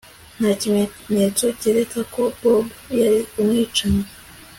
Nta kimenyetso cyerekana ko Bobo yari umwicanyi